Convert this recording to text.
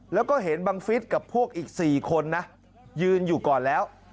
แล้วก็เห็นบังฟิศกับพวกอีก๔คนนะยืนอยู่ก่อนแล้ว